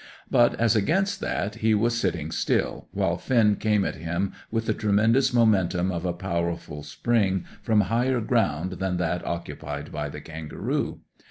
But, as against that, he was sitting still, while Finn came at him with the tremendous momentum of a powerful spring from higher ground than that occupied by the kangaroo.